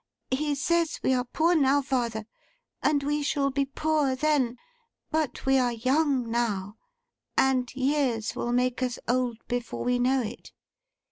He says we are poor now, father, and we shall be poor then, but we are young now, and years will make us old before we know it.